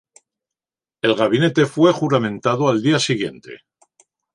El gabinete fue juramentado al día siguiente.